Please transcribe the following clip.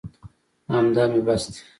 همدا مې بس دي.